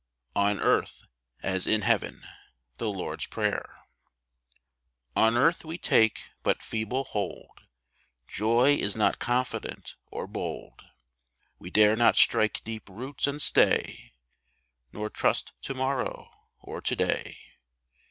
On earth as in heaven. The Lord s Prayer. N earth we take but feeble hold ; Joy is not confident or bold ; We dare not strike deep roots and stay, Nor trust to morrow or to day.